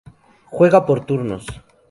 Se juega por turnos.